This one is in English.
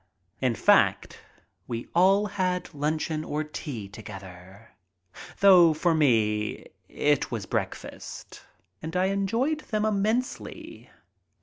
In fact, we all had luncheon or tea together, though for me it was breakfast, and I enjoyed them immensely.